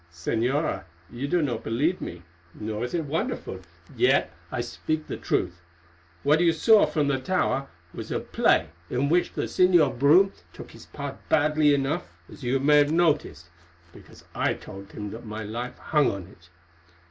"Señora, you do not believe me, nor is it wonderful. Yet I speak the truth. What you saw from the tower was a play in which the Señor Brome took his part badly enough, as you may have noticed, because I told him that my life hung on it.